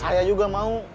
saya juga mau